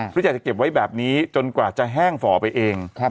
หรืออยากจะเก็บไว้แบบนี้จนกว่าจะแห้งฝ่อไปเอง